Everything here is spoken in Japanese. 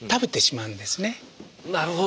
なるほど！